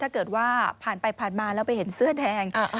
ถ้าเกิดว่าผ่านไปผ่านมาแล้วไปเห็นเสื้อแดง